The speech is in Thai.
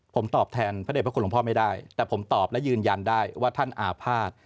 ผมตอบแทนพระเด็จพระคุณหลวงพ่อไม่ได้แต่ผมตอบและยืนยันได้ว่าท่านอาภาษณ์